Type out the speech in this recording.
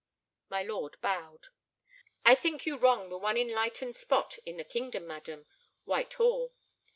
My lord bowed. "I think you wrong the one enlightened spot in the kingdom, madam—Whitehall.